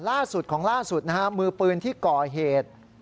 ล่าสุดของล่าสุดนะฮะมือปืนที่ก่อเหตุ